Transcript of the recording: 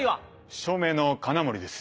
照明の金森です。